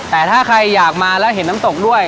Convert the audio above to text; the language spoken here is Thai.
แต่ถ้าใครอยากมาแล้วเห็นน้ำตกด้วย